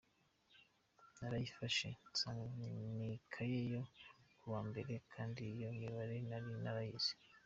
Narayifashe nsanga n’ikaye yo mu wa mbere kandi iyo mibare nari narayize.